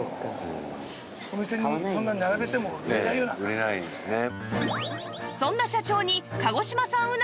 売れないんですね。